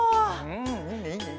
うんいいねいいね。